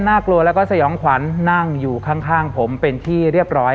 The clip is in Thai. น่ากลัวแล้วก็สยองขวัญนั่งอยู่ข้างผมเป็นที่เรียบร้อย